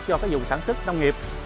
cho cái dùng sản xuất nông nghiệp